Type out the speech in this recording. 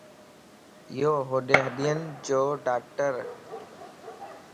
ايو ھڏين جو ڊاڪٽرَ